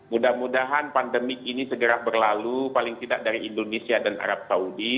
mudah mudahan pandemi ini segera berlalu paling tidak dari indonesia dan arab saudi